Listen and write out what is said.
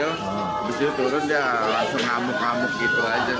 terus dia turun dia langsung ngamuk ngamuk gitu aja